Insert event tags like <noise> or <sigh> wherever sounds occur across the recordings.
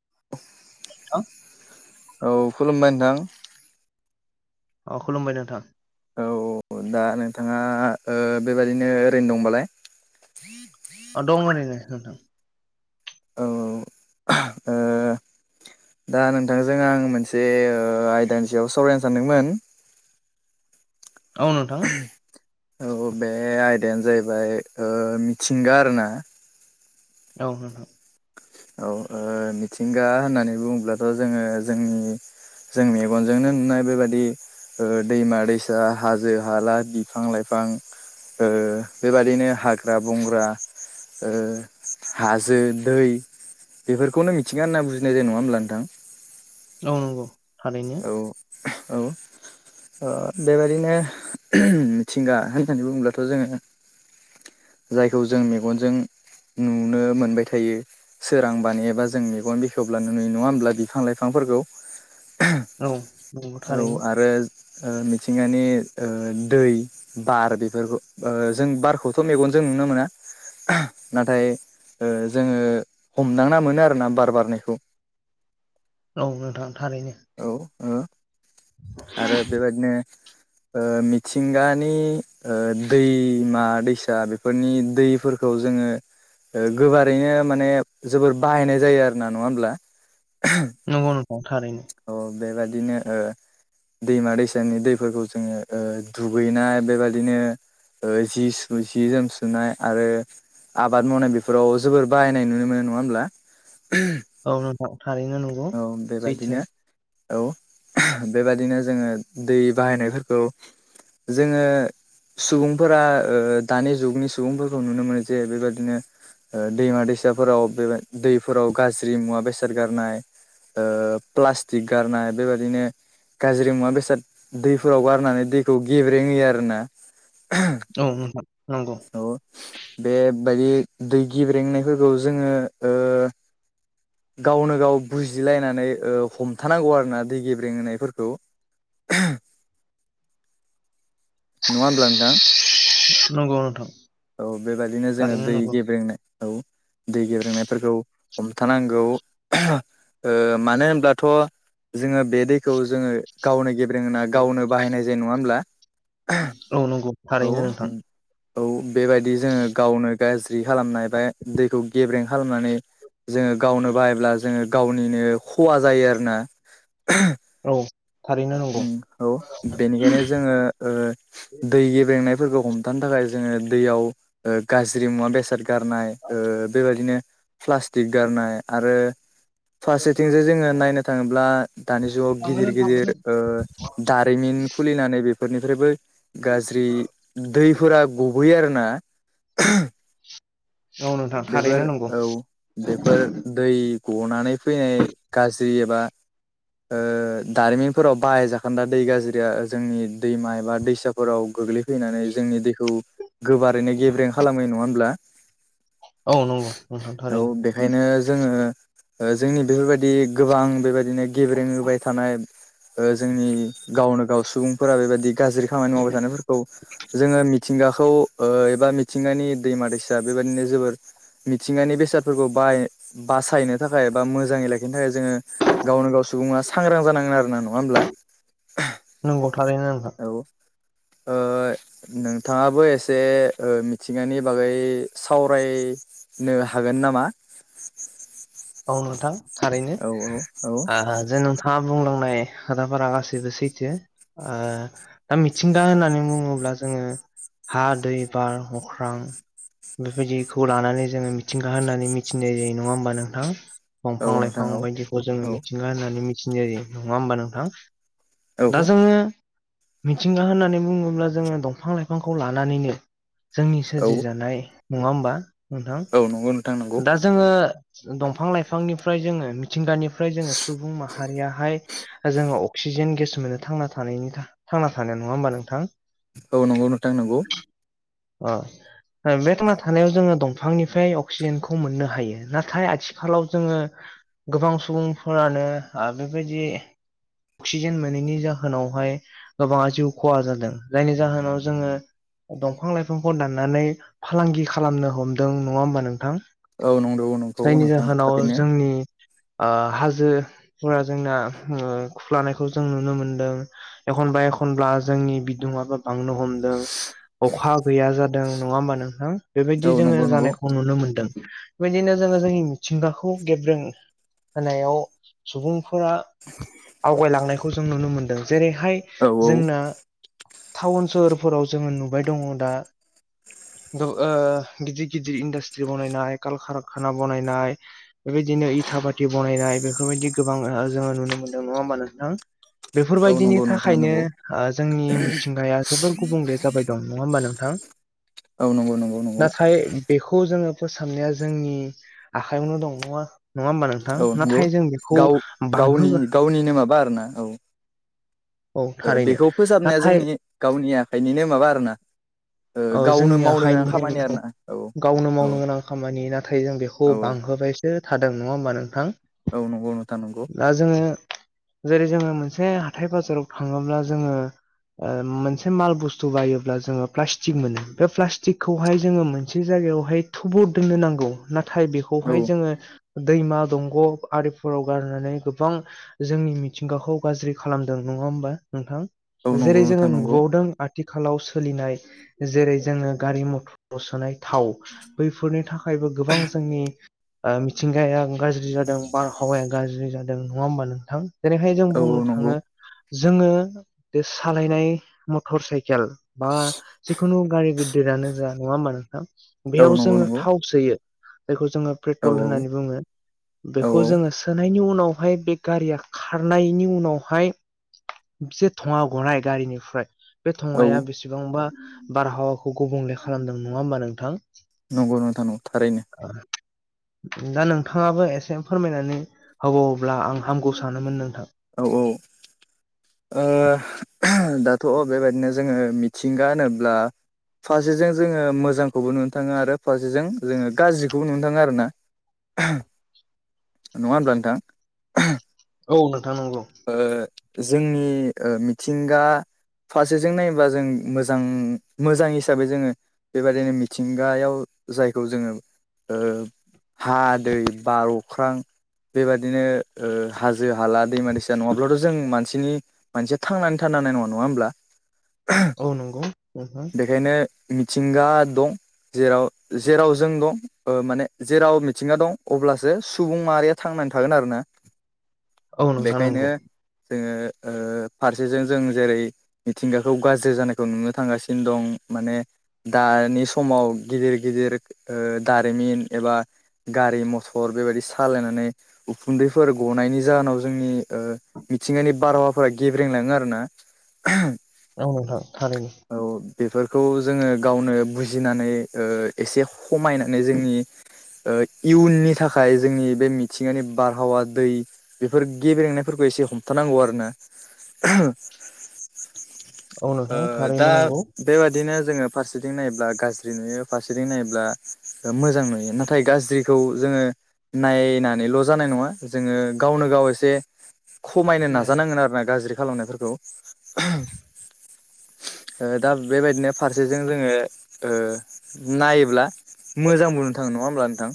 <inaudible> <unintelligible> औ खुलुमबाय नोंथां अ खुलुमबाय नोंथां औ दा नोंथाङा ओ बेबादिनो ओरैनो दं बालाय अ दङ अरैनो नोंथां औ ओ दा नोंथांजों आं मोनसे ओ आयदानि सायाव सावरायनो सानदोंमोन औ नोंथां औ बे आयदायानो जाहैबाय ओ मिथिंगा आरो ना औ नोंथां औ ओ मिथिंगा होननानै बुङोब्लाथ' जोङो जोंनि जों मेगनजोंनो नुनाय बेबायदि ओ दैमा दैसा हाजो हाला बिफां लाइफां बां ओ बेबादिनो हाग्रा बंग्रा ओ हाजो दै बेफोरखौनो मिथिंगा होनना बुजिनाय जानाय नङा होनब्ला नोंथां औ नंगौ थारैनो औ औ ओ बेबादिनो मिथिंगा होननानै बुङोब्लाथ' जोङो जायखौ जों मेगनजों नुनो मोनबाय थायो सोरांबानो एबा जों मेगन बेखेवब्लानो नुयो नङा होमब्ला बिफां लाइफां फोरखौ औ नंगौ औ थारैनो आरो ओ मिथिंगानि ओ दै बार बेफोरखौ जों बारखौथ' मेगन जों नुनो मोना नाथाय ओ जोङो हमदांना मोनो आरोना बार बारनायखौ <inaudible> औ नोंथां थारैनो औ आरो बेबायदिनो मिथिंगानि दैमा दैसा बेफोरनि दैफोरखौ जों गोबारैनो माने जोबोर बाहायनाय जायो आरोना नङा होमब्ला नंगौ नंगौ थारैनो औ बेबादिनो दैमा दैसानि दैफोरखौ जोङो ओ दुगैनाय बेबादिनो ओ जि सु जि जोम सुनाय आरो आबाद मावनाय बेफोराव जोबोर बाहायनाय नुनो मोनो नङा होमब्ला औ नोंथां थारैनो नंगौ औ बेबादिनो सैथो औ बेबादिनो जोङो दै बाहायनायफोरखौ जोङो सुबुंफोरा ओ दानि जुगनि सुबुंफोरखौ नुनो मोनो जे बेबादिनो ओ दैमा दैसाफोराव बे दैफोराव गाज्रि मुवा बेसाद गारनाय ओ प्लास्टिक गारनाय बेबादिनो गाज्रि मुवा बेसाद दैफोराव गारनानै दैखौ गेब्रेेंहोयो आरोना औ नोंथां नंगौ बायदि दै गिब्रेंनायफोरखौ जोङो ओ गावनो गाव बुजिलायनानै ओ हमथानांगौ आरोना दै गेब्रें होनायफोरखौ नङा होमब्ला नोंथां नंगौ नोंथां औ बेबायादिनो जोङो थारैनो दै नंगौ गेब्रेंनाय औ दै गेब्रोंनायफोरखौ हमथानांगौ ओ मानो होनब्लाथ' जोङो बे दैखौ जोङो गावनो गेबे ब्रेंहोना गावनो बाहायनाय जायो नङा होनब्ला औ नंगौ थारैनो नोंथां औ बेबायदि जोङो गावनो गाज्रि खालामनाय बा दैखौ गेब्रें खालामनानै जोङो गावनो बाहायब्ला जोङो गावनिनो खहा जायो आरोना औ थारैनो नंगौ उम औ बेनिखायनो जोङो ओ दै गेब्रेंनाय फोरखौ हमथानो थाखाय जोङो दैयाव ओ गाज्रि मुवा बेसाद गारनाय ओ बेबायदिनो प्लास्टिक गारनाय आरो फारसेथिं जे जोङो नायनो थाङोब्ला दानि जुगाव थांगोन गिदिर गिदिर थांगोन ओ दारिमिन खुलिनानै बे फोरनिफ्रायबो गाज्रि दैफोरा गबोयो आरोना औ नोंथां थारैनो बेफोर नंगौ औ बेफोर दै गनानै फैनाय गाज्रि एबा ओ दारिमिनफोराव बाहायजाखोनदा दै गाज्रिया जोंनि दैमा एबा दैसाफोराव गोग्लैफैनानै जोंनि दैखौ गोबारैनो गेब्रें खालामो नङा होनब्ला औ नंगौ नोंथां औ थारैनो बेखायनो जोङो ओ जोंनि बेफोरबायदि गोबां बेबायदिनो गेब्रें होबाय थानाय ओ जोंनि गावनो गाव सुबुंफोरा बेबायदि गाज्रि खामानि मावबाय थानायफोरखौ जोङो मिथिंगा खौ ओ एबा मिथिंगानि दैमा दैसा बेबायदिनो जोबोर मिथिंगानि बेसादफोरखौ बाय बासायनो थाखाय बा मोजाङै लाखिनो थाखाय जोङो गावनो गाव सुबुङा सांग्रां जानांगोन आरो ना नङा होमब्ला नंगौ थारैनो नोंथां औ ओ नोंथाङा बो एसे ओ मिथिंगानि बागै सावराय नो हागोन नामा औ नोंथां थारैनो औ औ औ आ जो नोंथाङा बुंलां नाय खोथाफोरा गासैबो सैथो दा मिथिंगा होननानै बुङोब्ला जोङो हा दै बार अख्रां बेबायदिखौ लानानै जों मिथिंगा होननानै मिथिनाय जायो नङा होमबा नों थां औ दंफां नोंथां लाइफां औ बायदिखौ जोङो औ मिथिंगा होननानै मिथिनाय जायो नङा होमबा नोंथां दा औ जोङो मिथिंगा होननानै बुङोब्ला जोङो दंफां लाइफांखौ लानानैनो जोंनि औ सोरजिजानाय नङा होमबा नोंथां औ नंगौ नोंथां नंगौ दा जोङो दंफां लाइफांनिफ्राय जोङो मिथिंगानिफ्राय जोङो सुबुं माहारियाहाय जोङो अक्सिजेन गेस मोनो थांना थांनाय थांना थानो नङा होमबा नोंथां औ नंगौ नोंथां नंगौ अ बे थांना थानायाव जोङो दंफांनिफ्राय अक्सिजेनखौ मोननो हायो नाथाय आथिखालाव जोङो गोबां सुबुंफोरानो ओ बेबायदि अक्सिजेन मोनैनि जाहोनावहाय गोबाङा जिउ खहा जादों जायनि जाहोनाव जोङो दंफां लाइफांखौ दाननानै फालांगि खालामनो हमदों नङा होमबा नोंथां औ नंगौ नंगौ जायनि नोंथां जाहोनाव थारैनो जोंनि ओ हाजोफोरा जोंना खुख्लानायखौ जों नुनो मोनदों। एखनबा एखनब्ला जोंनि बिदङाबो बांनो हमदों अखा गैया जादों नङा होमबा नोंथां बेबायदि औ जोङो नंगौ नंगौ जानायखौ नुनो मोनदों। बेबायदिनो जोङो जोंनि मिथिंगाखौ गेब्रों होनायाव सुबुं फोरा आवगायलांनायखौ जों नुनो मोनदों जेरैहाय औ औ जोंनो टाउन सोहोरफोराव जोङो नुबाय दङ दा <inaudible> गिदिर गिदिर इन्डास्ट्रि बनायनाय कलकारखाना बनायनाय बेबायदिनो इथा भाति बनायनाय बेफोरबायदि गोबां जोङो नुनो मोनदों नङा होमबा नोंथां औ बेफोरबायदिनि नंगौ नोंथां थाखायनो नंगौ जोंनि मिथिंगाया जोबोर गुबुंले जाबाय दं नङा होमबा नोंथां? औ नंगौ नंगौ नंगौ नाथाय बेखौ जोङो फोसाबनाया जोंनि आखाइयावनो दं नङा नङा होमबा नोंथां औ नंगौ नाथाय जों बेखौ गाव गावनि बांहो गावनिनो माबा आरोना औ ओ औ थारैनो बेखौ फोसाबनाया नाथाय जोंनि गावनि आखाइनिनो माबा आरोना औ गावनो जोंनि मावनो गोनां खामानि आखाइनिनो आरोना औ गावनो औ मावनो गोनां खामानि नाथाय जों बेखौ औ औ बांहोबायसो थादों नङा होमबा नोंथां? औ नंगौ नोंथां नंगौ दा जोङो जेरै जोङो मोनसे हाथाय बाजाराव थाङोब्ला जोङो मोनसे माल बुस्थु बायोब्ला जोङो प्लास्टिक मोनो बे प्लास्टिकखौहाय जोङो मोनसे जायगायावहाय थुबर दोननो नांगौ ना थाय औ बेखौहाय जोङो दैमा दंग' आरिफोराव गारनानै गोबां जोंनि मिथिंगाखौ गाज्रि खालामदों नङा होमबा नोंथां औ नंगौ जेरै जोङो नोंथां नंगौ नुबावदों आथिखालाव सोलिनाय जेरै जोङो गारि मटर सोनाय थाव बैफोरनि था खायबो गोबां जोंनि ओ मिथिंगाया गाज्रि जादों बारहावाया गाज्रि जादों नङा होमबा नोंथां जेरैहाय जों औ औ बुंनो नंगौ थाङो जोङो बे सालायनाय मटर साइकेल बा जिखुनु गारि गिदिरानो जा नङा ओमबा नोंथां औ बेयाव नंगौ जोङो नंगौ थाव सोयो जायखौ जोङो औ पेट्रल होननानै बुङो औ बेखौ जोङो सोनायनि उ नावहाय बे गारिया खारनायनि उनावहाय बिजे धङा गनाय गारिनिफ्राय बे औ धङाया बेसेबांबा बारहावाखौ गुबुंले खालामदों नङा होमबा नोंथां नंगौ नोंथां थारैनो दा नोंथाङाबो एसे फोरमायनानै होबावोब्ला आं हामगौ सानोमोन नोंथां। औ औ <inaudible> दाथ' बेबायदिनो जोङो मिथिंगा होनोब्ला। फारसेजों जोङो मोजांखौबो नुनो थाङो आरो फारसेजों जोङो गाज्रिखौबो नुनो थाङो आरोना नङा होमब्ला नोंथां? औ नोंथां नंगौ। ओ जोंनि मिथिंगा फारसेजों नायोबा जों मोजां मोजां हिसाबै जोंङो बेबाददिनो मिथिंगायाव जायखौ जोंङो हा, दै, बार, अख्रां बेबादिनो हाजो - हाला दैमानि नङाब्लाथ' जों मानसिनि मानसिया थांनानै थानो हानाय नंङा होमब्ला औ नंगौ नोंथां बेखायनो मिथिंगा दं जेराव जेराव जों दं माने जेराव मिथिंङा दं अब्लासो सुबुं माहारिया थांनानै नानै थागोन आरोना। औ नोंथां नंगौ जोंङो। फारसेजों जों जेरै मिथिंगाखौ गाज्रि जानायखौ नुनो थांगासिनो दं माने दानि समाव गिदिर गिदिर दारिमिन एबा गारि मथर बेबायदि बायदि सालायनानै उखुन्दैफोर गनायनि जाहोनाव जोंनि मिथिंगानि बारहावाफोरा गेब्रेंलांङो आरो ना औ नोंथां थारैनो बेफोरखौ जोंङो गावनो बुजिनानै एसे खमायनानै जोंनि इयुननि थाखाय जोंनि बे मिथिंगानि बारहावा दै बेफोर गेब्रेंनाय फोरखौ एसे हमथानांगौ आरोना। औ आ नोंथां दा थारैनो नंगौ बेबादिनो। फारसेथिं नाययोब्ला मोजां नुयो फारसेथिं नायोब्ला गाज्रि नुयो नाथाय गाज्रिखौ जोंङो नायनानैल' जानाय नंङा जोंङो गावनो गाव एसे खमायनो ए नाजानांगोन आरो ना गाज्रि खालामनायफोरखौ दा बेबायदिनो फारसेजों जोंङो नायोब्ला मोजां बुंनो थांङो नंङा होमब्ला नोंथां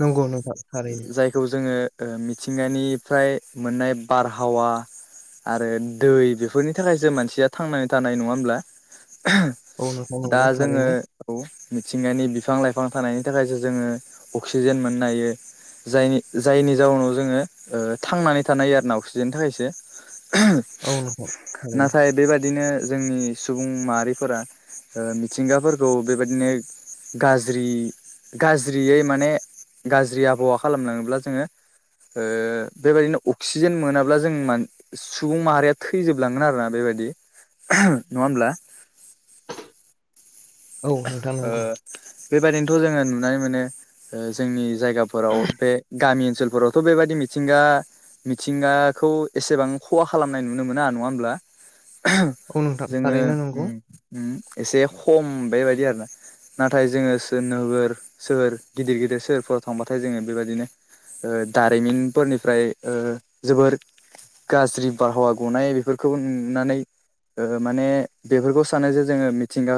नंगौ नोंथां थारैनो जायखौ जोंङो। मिथिंगानिफ्राय मोननाय बारहावा। आरो दै बेफोरनि थाखायसो मानसिया थांनानै थानाय नंङा होमब्ला। औ नोंथां दा नंगौ जोंङो थारैनो औ। मिथिंगानि बिफां- लाइफां थानायनि थाखायसो जोङो अक्सिजेन मोननो हायो जायनि जाय जायनि जाउनाव जोंङो थांनानै थानायायो आरो ना अक्सिजेननि थाखायसो औ नोंथां थारैनो नाथाय बेबादि बिदिनो जोंनि सुबुं माहारिफोरा मिथिंगाफोरखौ बेबायदिनो गाज्रि गाज्रियै माने गाज्रि आबहावा खालामलांङोब्ला जोंङो। ओ बेबायदिनो अक्सिजेन मोनाब्ला जों सुबुं माहारिया थैजोबलाांगोन आरो ना बेबायदि नंङा होनब्ला औ नोंथां नंगौ। बेबायदिनोथ' जोंङो नुनानै मोनो जोंनि जायगाफोराव बे गामि। ओनसोलफोरावथ' बेबायदि मिथिंगा मिथिंगाखौ एसेबां खहा खालामनाय नुनो मोना नंङा होमब्ला। औ नोंथां जोंङो थारैनो नंगौ एसे खम बेबायदि आरो ना। नाथाय जोंङो नोगोर सोहोर गिदिर गिदिर सोहोरफोराव थांबाथाय जोंङो बेबायदिनो। दारिमिनफोरनिफ्राय जोबोर गाज्रि बारहावा गनाय बेफोरखौ नुनानै। माने बेफोरखौ सानो जे जोंङो मिथिंगा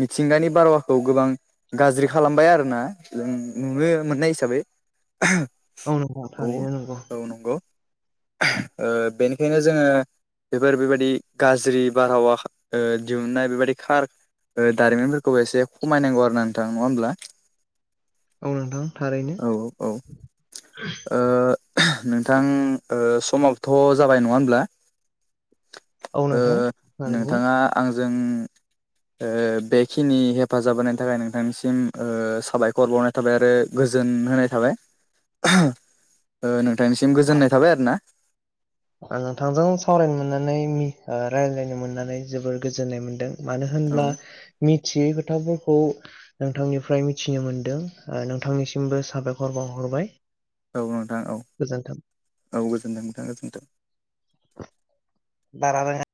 मिथिंगानि बारावाखौ गोबां गाज्रि खालामबाय आरोना जों नुनो मोननाय हिसाबै औ नोंथां औ थारैनो नंगौ औ नंगौ ओ बेनिखायनो जोंङो बेफोर बेबायदि गाज्रि बारहावा दिहुननाय बेबायदि खार दारिमिनफोरखौबो एसे खमायनांगौ आरो ना नोंथां नंङा होमब्ला औ नोंथां थारैनो औ - औ - ओ नोंथां समावथ' जाबाय नङा होमब्ला औ नोंथां थारैनो नोंथाङा आंजों बेखिनि हेफाजाब होनायनि थाखाय नोंथांनिसिम साबायखर बावनाय थाबाय आरो गोजोन होनाय थाबाय नोंथांनिसिम औ गोजोननाय थाबाय आरो ना आं नोंथांजों सावरायनो मोननानै रायज्लायनो मोननानै जोबोर गोजोननाय मोन्दों मानो औ होनब्ला मि थियै खोथाफोरखौ नोंथांनिफ्राय मिथिनो मोन्दों नोंथांनिसिमबो साबायखर बावहर थाबाय औ नोंथां औ औ गोजोनथों नोंथां गोजोनथों बारा रोंङा